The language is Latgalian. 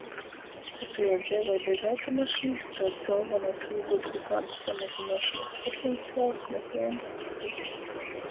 Ka Tu jau dzeivoj bez automašynys, Tovs golvonais ūglekļa pāda samazynuošonys potencials meklejams cytur.